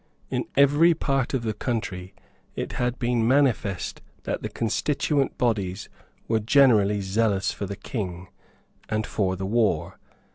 In every part of the country it had been manifest that the constituent bodies were generally zealous for the King and for the war.